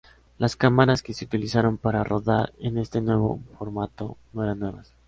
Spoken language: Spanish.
Las cámaras que se utilizaron para rodar en este nuevo formato, no eran nuevas.